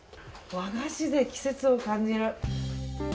和菓子で季節を感じる。